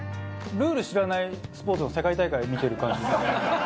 ルール知らないスポーツの世界大会、見てる感じ。